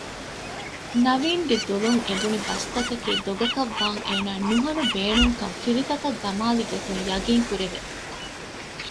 ނަޥީންގެ ދުލުން އެބުނިބަސްތަކަކީ ދޮގަކަށްވާން އޭނާ ނުހަނު ބޭނުންކަން ފިލިތަކަށް ދަމާލިގޮތުން ޔަގީންކުރެވެ